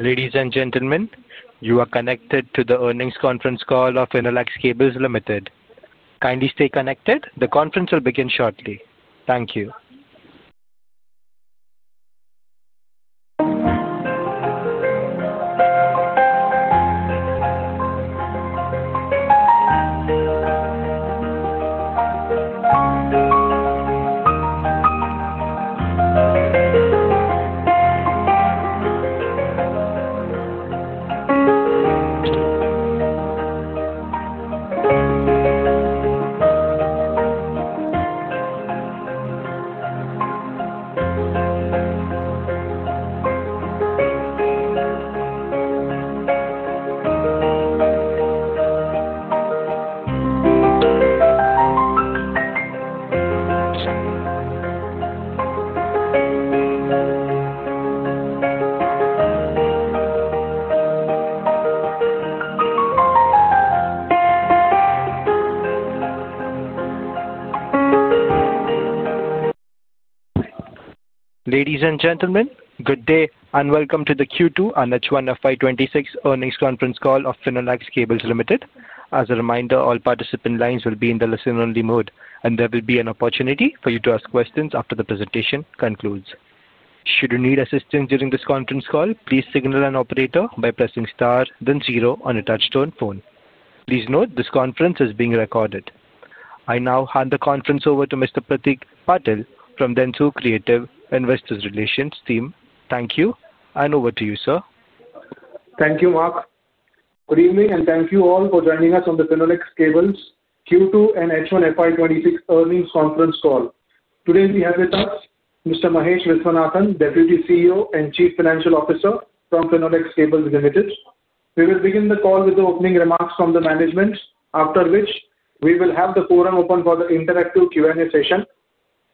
Ladies and gentlemen, you are connected to the earnings conference call of Finolex Cables Limited. Kindly stay connected, the conference will begin shortly. Thank you. Ladies and gentlemen, good day and welcome to the Q2 and H1 of 2026 earnings conference call of Finolex Cables Limited. As a reminder, all participant lines will be in the listen-only mode, and there will be an opportunity for you to ask questions after the presentation concludes. Should you need assistance during this conference call, please signal an operator by pressing star, then zero on a touch-tone phone. Please note this conference is being recorded. I now hand the conference over to Mr. Pratik Patil from Denstu Creative Investors Relations Team. Thank you, and over to you, sir. Thank you, Mark. Good evening, and thank you all for joining us on the Finolex Cables Q2 and H1 FY 2026 earnings conference call. Today we have with us Mr. Mahesh Viswanathan, Deputy CEO and Chief Financial Officer from Finolex Cables Limited. We will begin the call with the opening remarks from the management, after which we will have the forum open for the interactive Q&A session.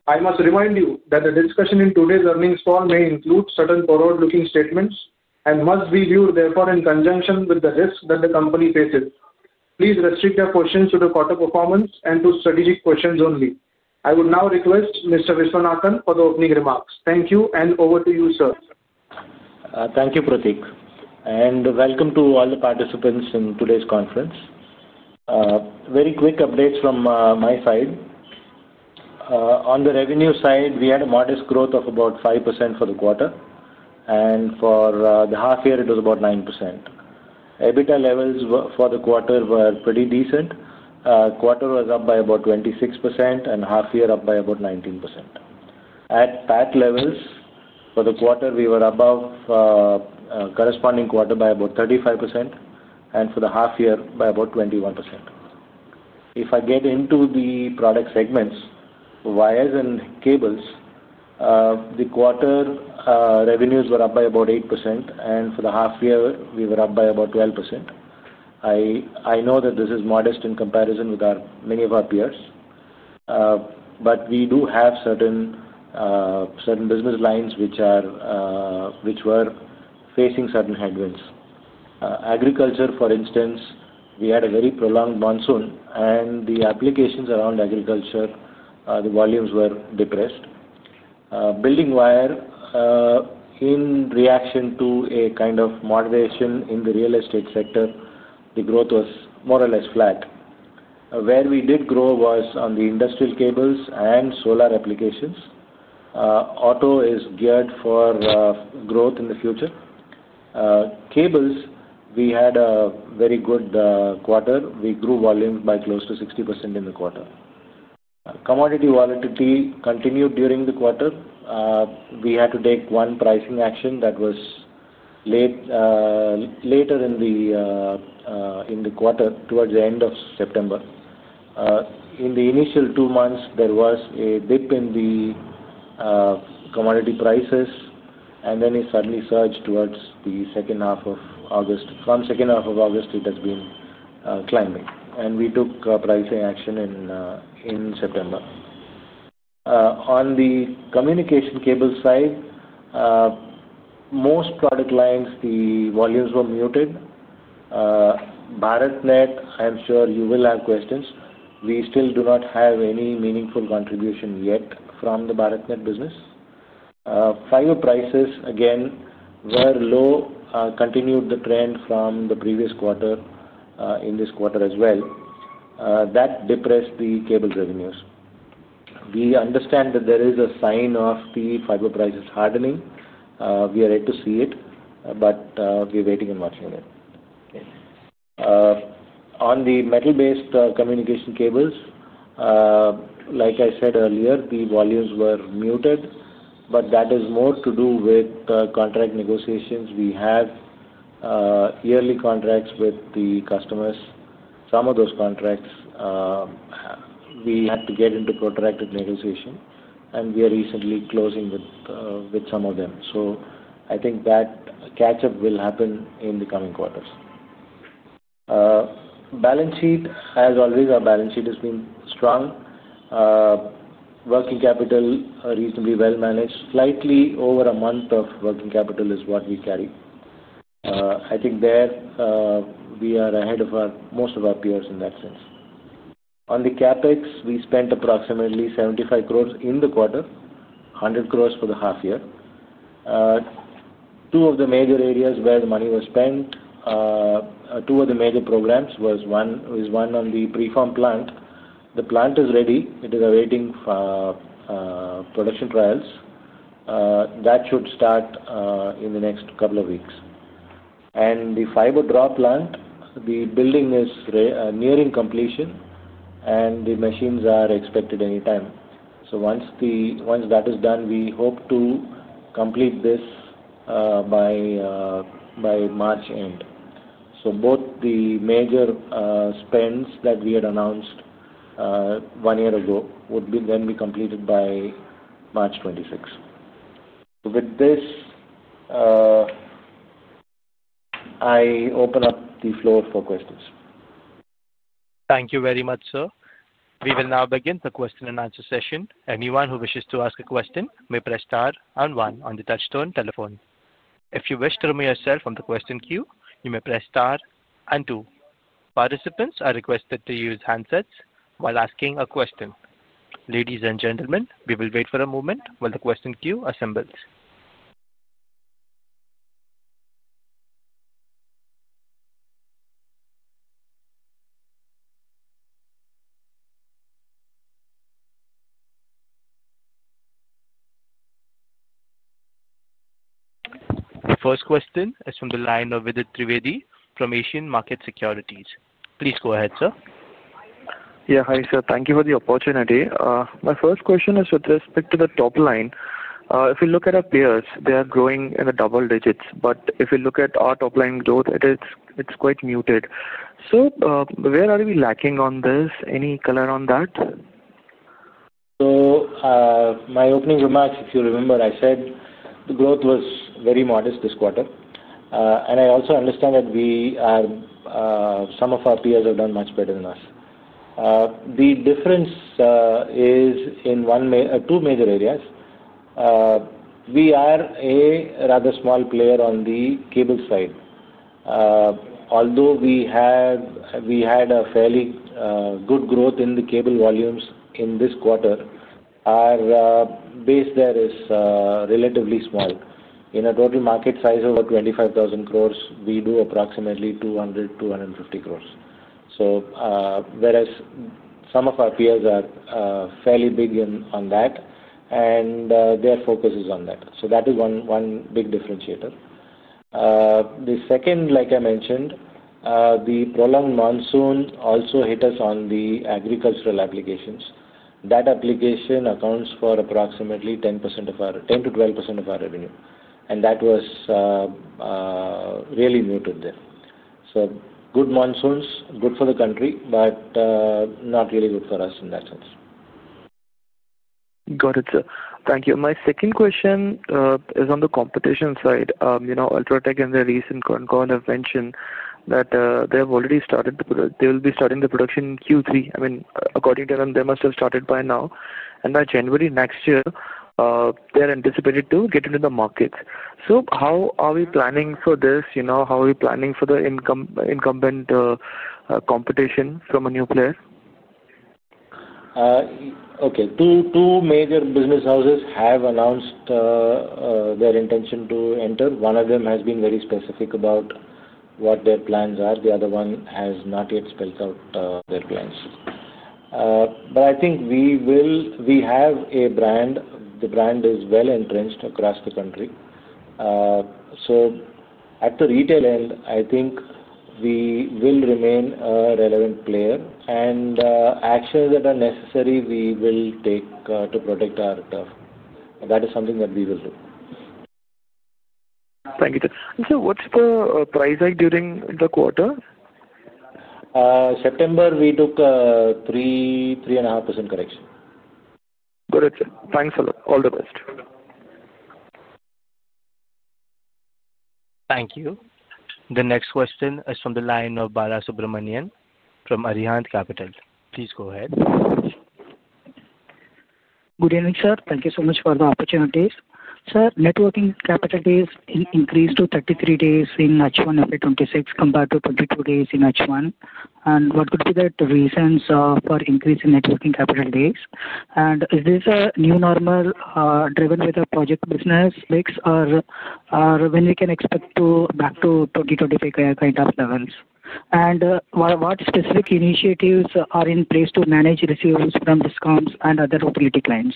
I must remind you that the discussion in today's earnings call may include certain forward-looking statements and must be viewed, therefore, in conjunction with the risk that the company faces. Please restrict your questions to the quarter performance and to strategic questions only. I would now request Mr. Viswanathan for the opening remarks. Thank you, and over to you, sir. Thank you, Pratik. Welcome to all the participants in today's conference. Very quick updates from my side. On the revenue side, we had a modest growth of about 5% for the quarter, and for the half-year, it was about 9%. EBITDA levels for the quarter were pretty decent. Quarter was up by about 26%, and half-year up by about 19%. At that levels, for the quarter, we were above corresponding quarter by about 35%, and for the half-year, by about 21%. If I get into the product segments, wires and cables, the quarter revenues were up by about 8%, and for the half-year, we were up by about 12%. I know that this is modest in comparison with many of our peers, but we do have certain business lines which were facing certain headwinds. Agriculture, for instance, we had a very prolonged monsoon, and the applications around agriculture, the volumes were depressed. Building wire, in reaction to a kind of moderation in the real estate sector, the growth was more or less flat. Where we did grow was on the industrial cables and solar applications. Auto is geared for growth in the future. Cables, we had a very good quarter. We grew volume by close to 60% in the quarter. Commodity volatility continued during the quarter. We had to take one pricing action that was later in the quarter, towards the end of September. In the initial two months, there was a dip in the commodity prices, and then it suddenly surged towards the second half of August. From the second half of August, it has been climbing, and we took pricing action in September. On the communication cable side, most product lines, the volumes were muted. Bharatnet, I'm sure you will have questions. We still do not have any meaningful contribution yet from the Bharatnet business. Fiber prices, again, were low, continued the trend from the previous quarter in this quarter as well. That depressed the cable revenues. We understand that there is a sign of the fiber prices hardening. We are yet to see it, but we're waiting and watching it. On the metal-based communication cables, like I said earlier, the volumes were muted, but that is more to do with contract negotiations. We have yearly contracts with the customers. Some of those contracts, we had to get into protracted negotiation, and we are recently closing with some of them. I think that catch-up will happen in the coming quarters. Balance sheet, as always, our balance sheet has been strong. Working capital reasonably well managed. Slightly over a month of working capital is what we carry. I think there we are ahead of most of our peers in that sense. On the CapEx, we spent approximately 75 crore in the quarter, 100 crore for the half-year. Two of the major areas where the money was spent, two of the major programs was one on the preform plant. The plant is ready. It is awaiting production trials. That should start in the next couple of weeks. The fiber drop plant, the building is nearing completion, and the machines are expected any time. Once that is done, we hope to complete this by March end. Both the major spends that we had announced one year ago would then be completed by March 2026. With this, I open up the floor for questions. Thank you very much, sir. We will now begin the question and answer session. Anyone who wishes to ask a question may press star and one on the touchstone telephone. If you wish to remove yourself from the question queue, you may press star and two. Participants are requested to use handsets while asking a question. Ladies and gentlemen, we will wait for a moment while the question queue assembles. The first question is from the line of Vidit Trivedi from Asian Market Securities. Please go ahead, sir. Yeah, hi sir. Thank you for the opportunity. My first question is with respect to the top line. If we look at our peers, they are growing in the double digits, but if we look at our top line growth, it's quite muted. Where are we lacking on this? Any color on that? My opening remarks, if you remember, I said the growth was very modest this quarter. I also understand that some of our peers have done much better than us. The difference is in two major areas. We are a rather small player on the cable side. Although we had a fairly good growth in the cable volumes in this quarter, our base there is relatively small. In a total market size of about 25,000 crore, we do approximately 200-250 crore. Whereas some of our peers are fairly big on that, and their focus is on that. That is one big differentiator. The second, like I mentioned, the prolonged monsoon also hit us on the agricultural applications. That application accounts for approximately 10%-12% of our revenue, and that was really muted there. Good monsoons, good for the country, but not really good for us in that sense. Got it, sir. Thank you. My second question is on the competition side. UltraTech and their recent concurrent have mentioned that they have already started, they will be starting the production in Q3. I mean, according to them, they must have started by now. By January next year, they are anticipated to get into the market. How are we planning for this? How are we planning for the incumbent competition from a new player? Okay. Two major business houses have announced their intention to enter. One of them has been very specific about what their plans are. The other one has not yet spelled out their plans. I think we have a brand. The brand is well entrenched across the country. At the retail end, I think we will remain a relevant player, and actions that are necessary, we will take to protect our turf. That is something that we will do. Thank you, sir. Sir, what is the price during the quarter? September, we took a 3-3.5% correction. Got it, sir. Thanks a lot. All the best. Thank you. The next question is from the line of Bharat Subramanian from Arihant Capital. Please go ahead. Good evening, sir. Thank you so much for the opportunity. Sir, working capital days increased to 33 days in H1 FY 2026 compared to 22 days in H1. What could be the reasons for increasing working capital days? Is this a new normal driven with a project business mix? When can we expect to be back to 2025 kind of levels? What specific initiatives are in place to manage receivables from discounts and other utility clients?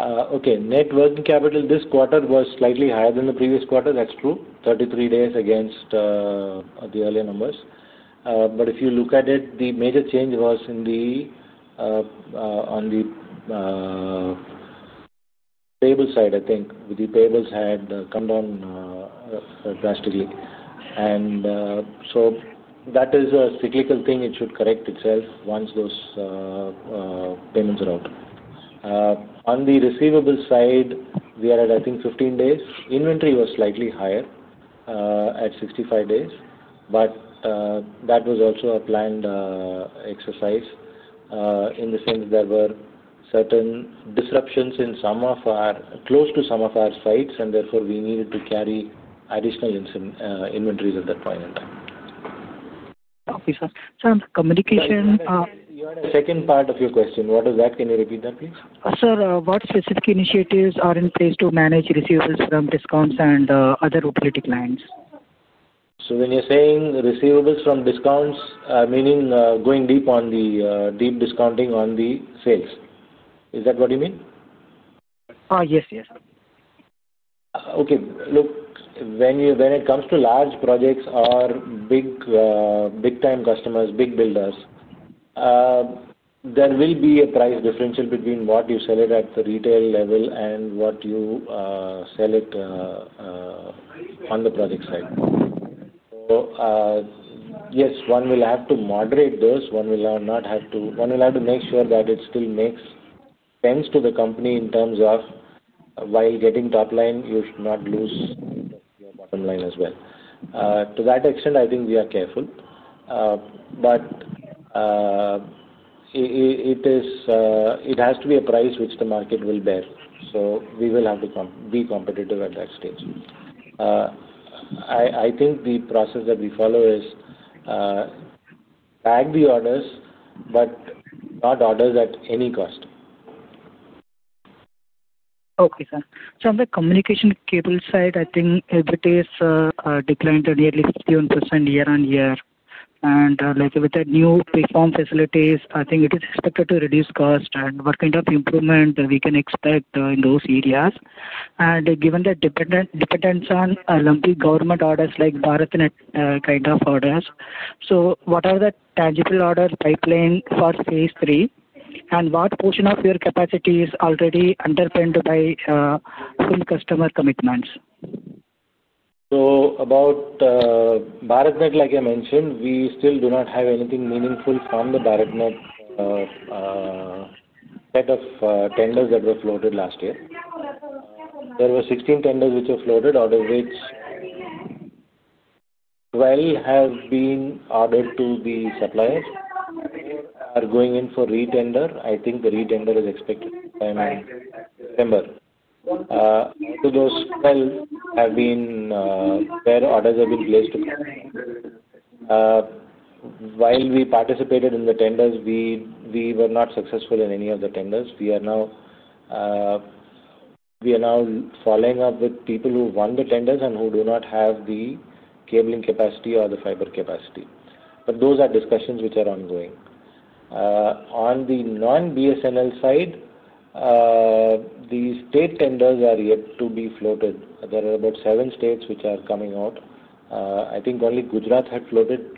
Okay. Working capital this quarter was slightly higher than the previous quarter. That's true. Thirty-three days against the earlier numbers. If you look at it, the major change was on the payable side, I think. The payables had come down drastically. That is a cyclical thing. It should correct itself once those payments are out. On the receivable side, we are at, I think, 15 days. Inventory was slightly higher at 65 days, but that was also a planned exercise in the sense there were certain disruptions in some of our close to some of our sites, and therefore we needed to carry additional inventories at that point in time. Okay, sir. Sir, communication. Second part of your question, what is that? Can you repeat that, please? Sir, what specific initiatives are in place to manage receivables from discounts and other utility clients? When you're saying receivables from discounts, meaning going deep on the deep discounting on the sales. Is that what you mean? Yes, yes. Okay. Look, when it comes to large projects or big-time customers, big builders, there will be a price differential between what you sell it at the retail level and what you sell it on the project side. Yes, one will have to moderate those. One will have to make sure that it still makes sense to the company in terms of while getting top line, you should not lose your bottom line as well. To that extent, I think we are careful, but it has to be a price which the market will bear. We will have to be competitive at that stage. I think the process that we follow is bag the orders, but not orders at any cost. Okay, sir. On the communication cable side, I think it has declined nearly 51% year on year. With the new preform facilities, I think it is expected to reduce cost, and what kind of improvement can we expect in those areas? Given the dependence on government orders like Bharatnet kind of orders, what are the tangible order pipeline for phase three? What portion of your capacity is already underpinned by customer commitments? About Bharat, like I mentioned, we still do not have anything meaningful from the Bharatnet set of tenders that were floated last year. There were 16 tenders which were floated, out of which 12 have been ordered to the suppliers who are going in for retender. I think the retender is expected to come in September. Those 12 have been where orders have been placed too. While we participated in the tenders, we were not successful in any of the tenders. We are now following up with people who won the tenders and who do not have the cabling capacity or the fiber capacity. Those are discussions which are ongoing. On the non-BSNL side, the state tenders are yet to be floated. There are about seven states which are coming out. I think only Gujarat had floated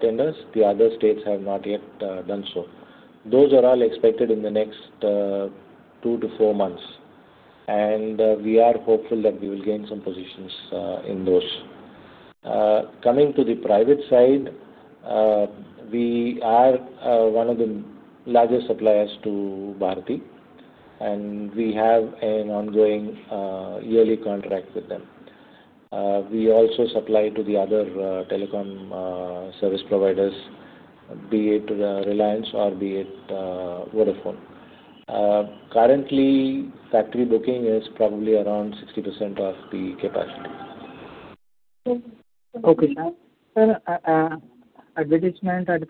tenders. The other states have not yet done so. Those are all expected in the next two to four months. We are hopeful that we will gain some positions in those. Coming to the private side, we are one of the largest suppliers to Bharti, and we have an ongoing yearly contract with them. We also supply to the other telecom service providers, be it Reliance or be it Vodafone. Currently, factory booking is probably around 60% of the capacity. Okay, sir. Advertisement and promotions have increased to maybe 24 crore in this quarter from 11 crore last quarter. I can't hear your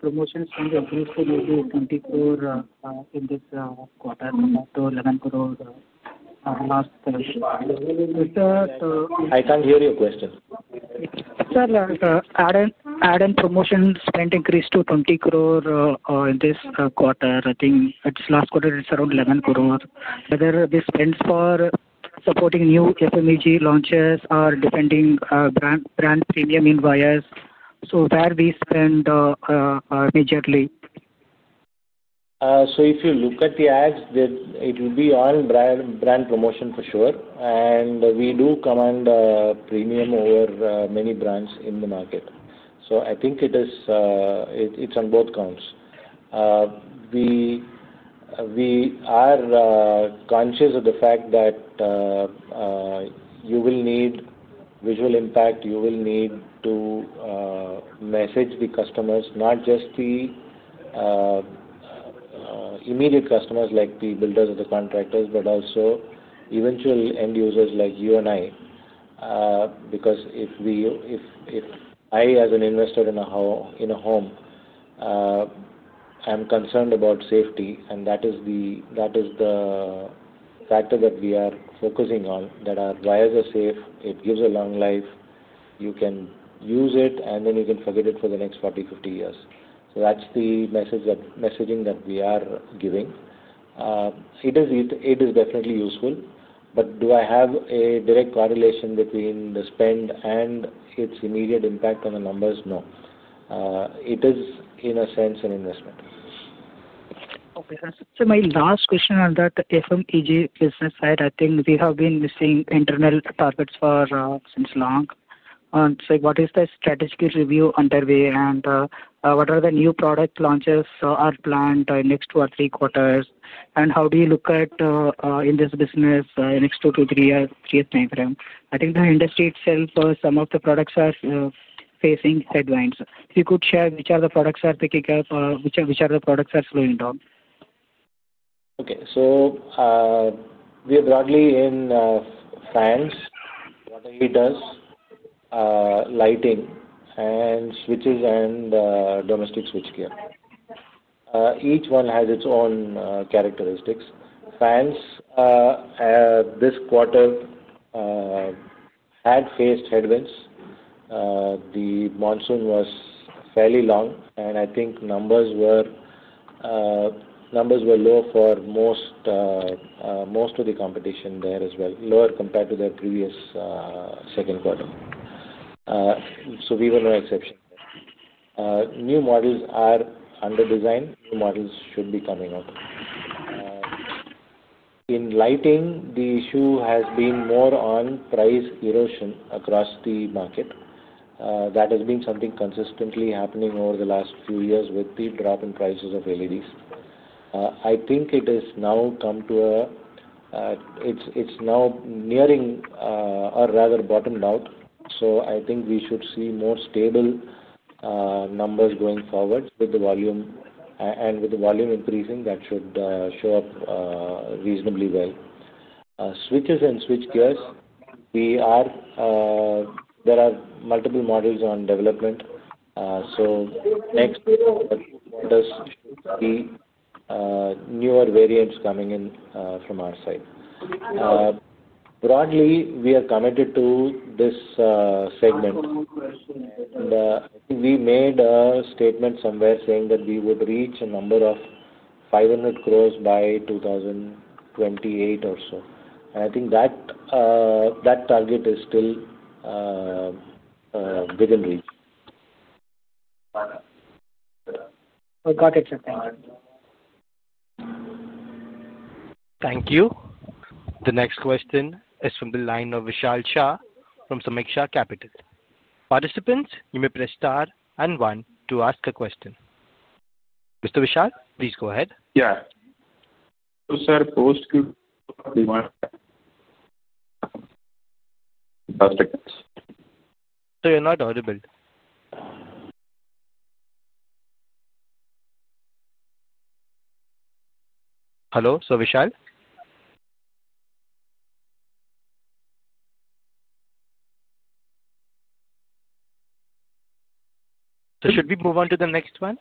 question. Sir, add-on promotion spend increased to 20 crore in this quarter. I think this last quarter, it is around INR 11 crore. Whether the spend is for supporting new FMEG launches or defending brand premium invoices, so where do we spend majorly? If you look at the ads, it will be all brand promotion for sure. We do command premium over many brands in the market. I think it is on both counts. We are conscious of the fact that you will need visual impact. You will need to message the customers, not just the immediate customers like the builders or the contractors, but also eventual end users like you and I. If I, as an investor in a home, am concerned about safety, and that is the factor that we are focusing on, that our wires are safe, it gives a long life, you can use it, and then you can forget it for the next 40-50 years. That is the messaging that we are giving. It is definitely useful, but do I have a direct correlation between the spend and its immediate impact on the numbers? No. It is, in a sense, an investment. Okay, sir. My last question on that FMEG business side, I think we have been missing internal targets for since long. What is the strategic review underway, and what are the new product launches planned next two or three quarters? How do you look at in this business next two to three years time frame? I think the industry itself, some of the products are facing headwinds. If you could share which are the products are picking up, which are the products are slowing down? Okay. So we are broadly in fans, water heaters, lighting, and switches and domestic switchgear. Each one has its own characteristics. Fans this quarter had faced headwinds. The monsoon was fairly long, and I think numbers were low for most of the competition there as well, lower compared to their previous second quarter. We were no exception. New models are under design. New models should be coming out. In lighting, the issue has been more on price erosion across the market. That has been something consistently happening over the last few years with the drop in prices of LEDs. I think it has now come to a it's now nearing or rather bottomed out. I think we should see more stable numbers going forward with the volume. With the volume increasing, that should show up reasonably well. Switches and switchgears, there are multiple models on development. There should be newer variants coming in from our side. Broadly, we are committed to this segment. We made a statement somewhere saying that we would reach a number of 500 crore by 2028 or so. I think that target is still within reach. Got it, sir. Thank you. Thank you. The next question is from the line of Vishal Shah from Sameeksha Capital. Participants, you may press star and one to ask a question. Mr. Vishal, please go ahead. Yeah. So, sir, post. You're not audible. Hello? Vishal? Should we move on to the next one?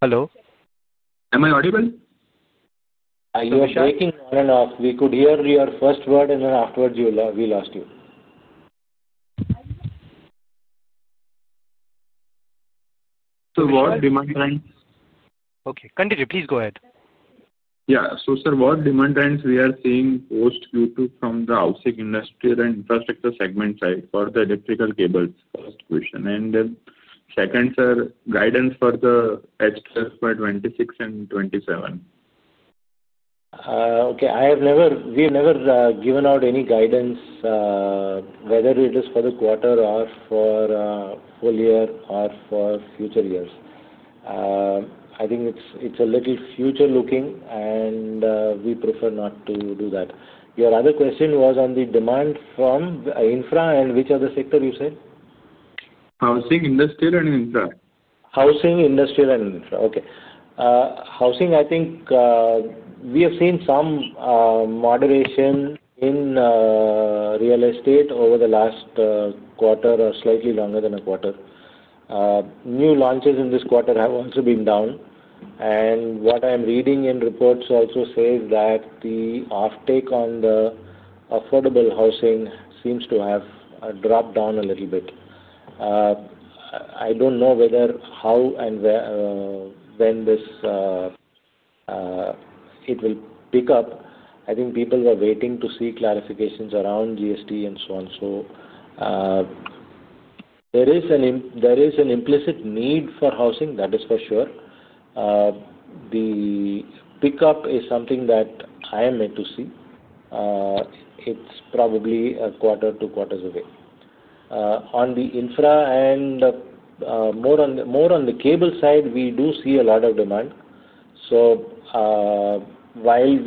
Hello? Am I audible? You were shaking on and off. We could hear your first word, and then afterwards, we lost you. What demand trends? Okay. Continue. Please go ahead. Yeah. Sir, what demand trends are we seeing post Q2 from the outside industry and infrastructure segment side for the electrical cables? First question. Second, sir, guidance for the H1 2026 and 2027. Okay. We have never given out any guidance, whether it is for the quarter or for full year or for future years. I think it's a little future-looking, and we prefer not to do that. Your other question was on the demand from infra and which other sector, you said? Housing industry and infra. Housing industry and infra. Okay. Housing, I think we have seen some moderation in real estate over the last quarter or slightly longer than a quarter. New launches in this quarter have also been down. What I am reading in reports also says that the offtake on the affordable housing seems to have dropped down a little bit. I do not know how and when it will pick up. I think people were waiting to see clarifications around GST and so on. There is an implicit need for housing. That is for sure. The pickup is something that I am yet to see. It is probably a quarter to quarters away. On the infra and more on the cable side, we do see a lot of demand. While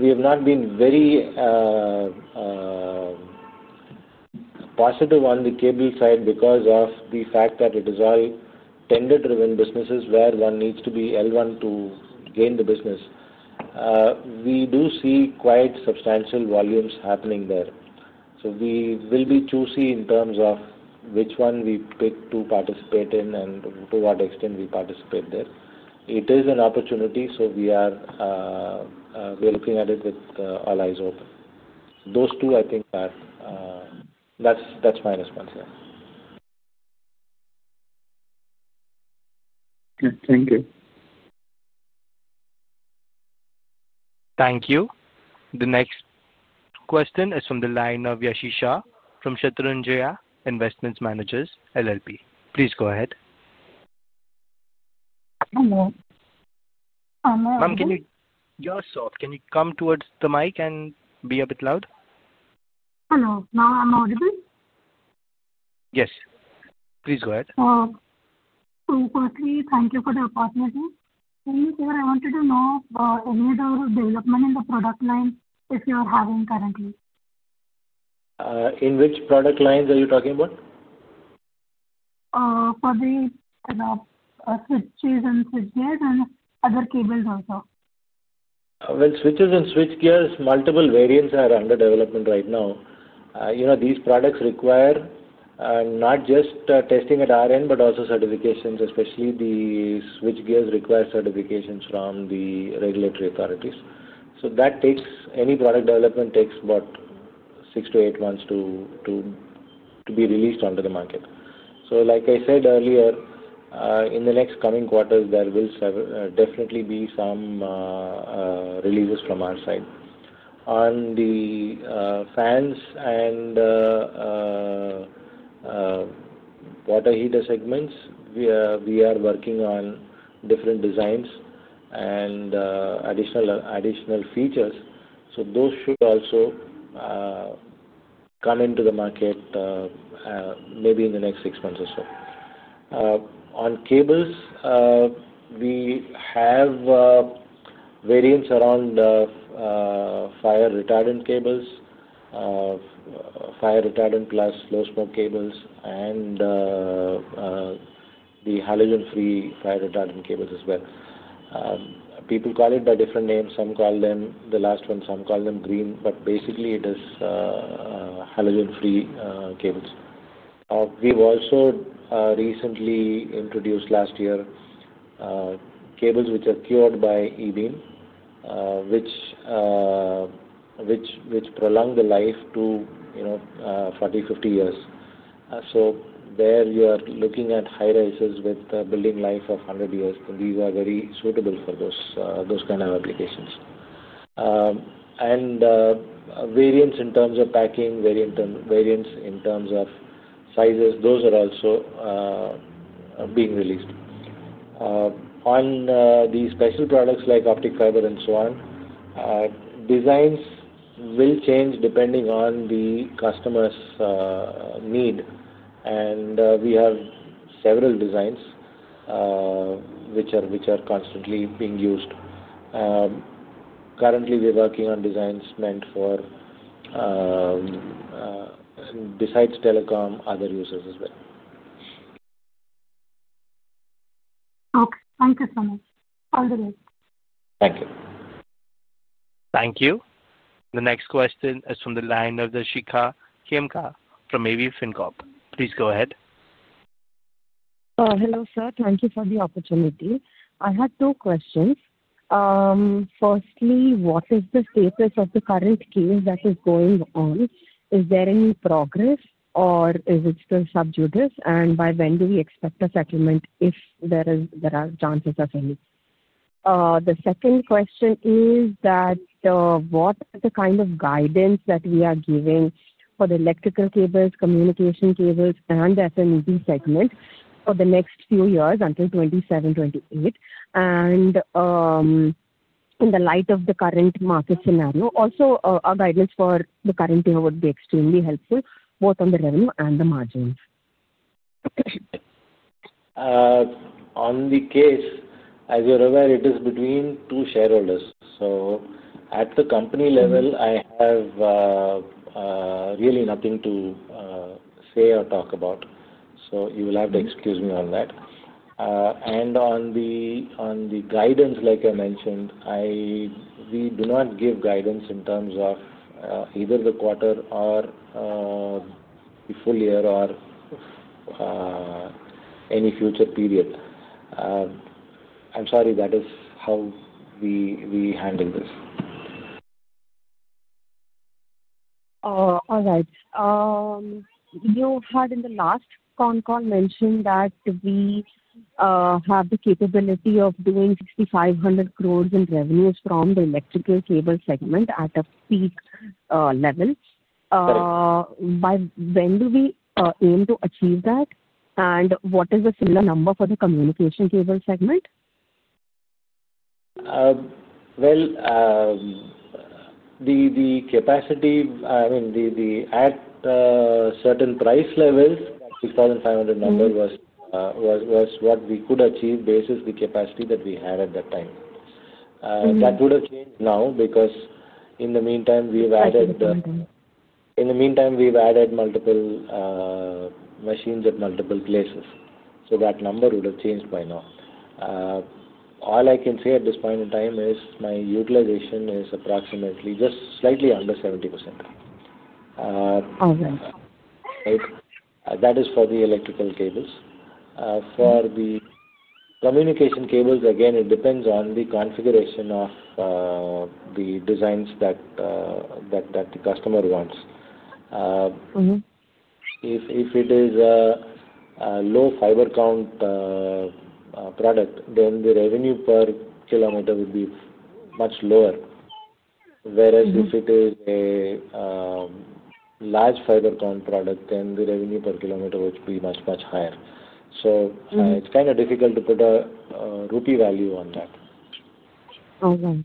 we have not been very positive on the cable side because of the fact that it is all tender-driven businesses where one needs to be L1 to gain the business, we do see quite substantial volumes happening there. We will be choosy in terms of which one we pick to participate in and to what extent we participate there. It is an opportunity, so we are looking at it with all eyes open. Those two, I think, are that's my response, yeah. Okay. Thank you. Thank you. The next question is from the line of Yashi shah from Shatrunjaya Investment Managers LLP. Please go ahead. Hello. Ma'am, can you yourself, can you come towards the mic and be a bit loud? Hello. Now am I audible? Yes. Please go ahead. Firstly, thank you for the opportunity. Thank you, sir. I wanted to know if any of the development in the product lines that you are having currently. In which product lines are you talking about? For the switches and switchgear and other cables also. Switches and switchgears, multiple variants are under development right now. These products require not just testing at our end, but also certifications, especially the switchgears require certifications from the regulatory authorities. That takes any product development about six to eight months to be released onto the market. Like I said earlier, in the next coming quarters, there will definitely be some releases from our side. On the fans and water heater segments, we are working on different designs and additional features. Those should also come into the market maybe in the next six months or so. On cables, we have variants around fire retardant cables, fire retardant plus low smoke cables, and the halogen-free fire retardant cables as well. People call it by different names. Some call them the last one, some call them green, but basically, it is halogen-free cables. We've also recently introduced last year cables which are cured by e-beam, which prolong the life to 40-50 years. Where you are looking at high rises with a building life of 100 years, these are very suitable for those kinds of applications. Variants in terms of packing, variants in terms of sizes, those are also being released. On the special products like optic fiber and so on, designs will change depending on the customer's need. We have several designs which are constantly being used. Currently, we're working on designs meant for, besides telecom, other users as well. Okay. Thank you so much. All the best. Thank you. Thank you. The next question is from the line of Darshika Khemka from AV FinCorp. Please go ahead. Hello, sir. Thank you for the opportunity. I had two questions. Firstly, what is the status of the current case that is going on? Is there any progress, or is it still sub judice? By when do we expect a settlement if there are chances of any? The second question is that what is the kind of guidance that we are giving for the electrical cables, communication cables, and the FMEG segment for the next few years until 2027, 2028? In the light of the current market scenario, also, a guidance for the current year would be extremely helpful, both on the revenue and the margins. On the case, as you're aware, it is between two shareholders. At the company level, I have really nothing to say or talk about. You will have to excuse me on that. On the guidance, like I mentioned, we do not give guidance in terms of either the quarter or the full year or any future period. I'm sorry. That is how we handle this. All right. You had in the last con call mentioned that we have the capability of doing 6,500 crore in revenues from the electrical cable segment at a peak level. By when do we aim to achieve that? What is the similar number for the communication cable segment? The capacity, I mean, at certain price levels, that 6,500 number was what we could achieve basis the capacity that we had at that time. That would have changed now because in the meantime, we've added multiple machines at multiple places. That number would have changed by now. All I can say at this point in time is my utilization is approximately just slightly under 70%. That is for the electrical cables. For the communication cables, again, it depends on the configuration of the designs that the customer wants. If it is a low fiber count product, then the revenue per kilometer would be much lower. Whereas if it is a large fiber count product, then the revenue per kilometer would be much, much higher. It's kind of difficult to put a rookie value on that. All right.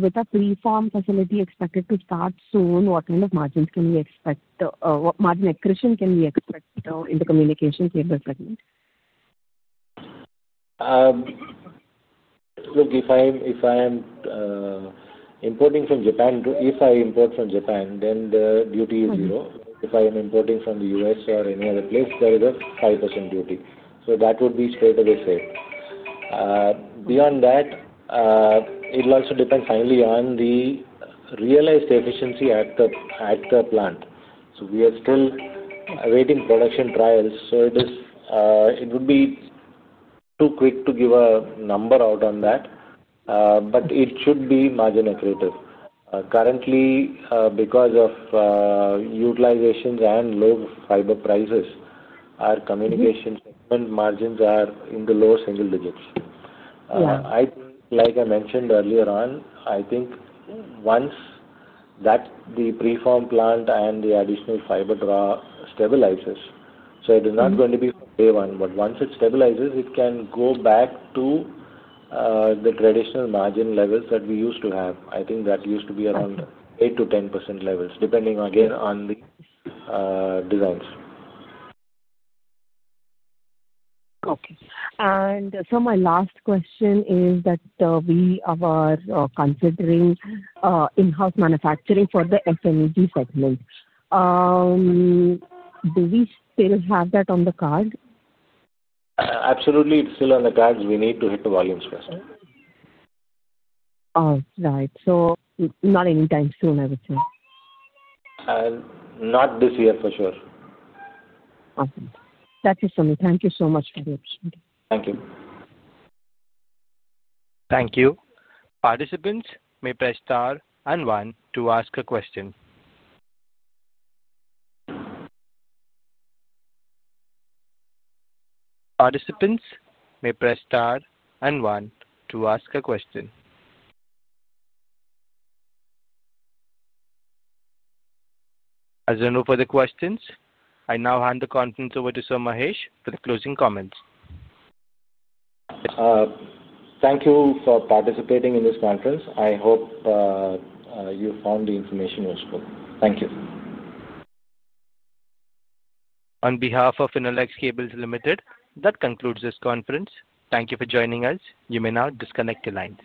With a preform facility expected to start soon, what kind of margins can we expect? What margin accretion can we expect in the communication cable segment? Look, if I am importing from Japan, if I import from Japan, then the duty is zero. If I am importing from the U.S. or any other place, there is a 5% duty. That would be straight away said. Beyond that, it will also depend finally on the realized efficiency at the plant. We are still awaiting production trials. It would be too quick to give a number out on that, but it should be margin accretive. Currently, because of utilizations and low fiber prices, our communication segment margins are in the lower single digits. Like I mentioned earlier on, I think once the preform plant and the additional fiber draw stabilizes, it is not going to be from day one, but once it stabilizes, it can go back to the traditional margin levels that we used to have. I think that used to be around 8-10% levels, depending again on the designs. Okay. My last question is that we are considering in-house manufacturing for the FMEG segment. Do we still have that on the card? Absolutely. It's still on the cards. We need to hit the volumes first. All right. So not anytime soon, I would say. Not this year, for sure. Okay. That's it for me. Thank you so much for the opportunity. Thank you. Thank you. Participants may press star and one to ask a question. As a note for the questions, I now hand the conference over to Mr. Mahesh for the closing comments. Thank you for participating in this conference. I hope you found the information useful. Thank you. On behalf of Finolex Cables Limited, that concludes this conference. Thank you for joining us. You may now disconnect the lines.